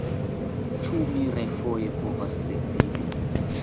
Ĉu mi refoje povas decidi?